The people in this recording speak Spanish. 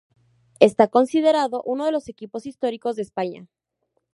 Esta considerado uno de los equipos históricos de España.